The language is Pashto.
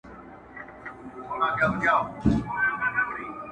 د هندو له کوره هم قران را ووت ،